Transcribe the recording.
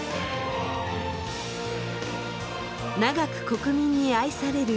長く国民に愛される理由。